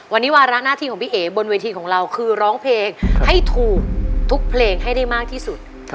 วันนี้วาระหน้าที่ของพี่เอ๋บนเวทีของเราคือร้องเพลงให้ถูกทุกเพลงให้ได้มากที่สุด